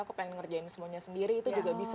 aku pengen ngerjain semuanya sendiri itu juga bisa